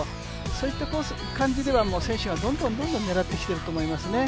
そういった感じでは選手がどんどん狙ってきてると思いますね。